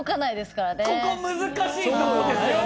ここ難しいとこですよね。